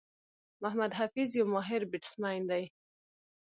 محمد حفيظ یو ماهر بيټسمېن دئ.